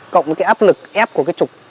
cộng với cái áp lực ép của cái trục